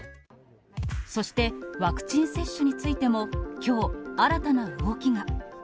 そして、ワクチン接種についても、きょう、新たな動きが。